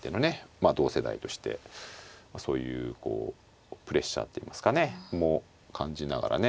まあ同世代としてそういうこうプレッシャーっていいますかねも感じながらね